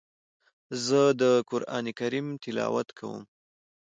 زه د قرآن کريم تلاوت کوم.